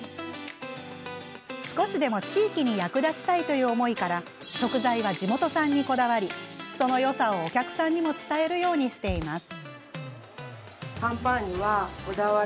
少しでも地域に役立ちたいという思いから食材は地元産にこだわりそのよさをお客さんにも伝えるようにしています。